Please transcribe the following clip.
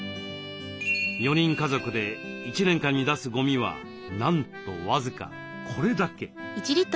４人家族で１年間に出すゴミはなんと僅かこれだけ。